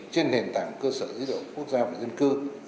trên nền tảng cơ sở dữ liệu quốc gia về dân cư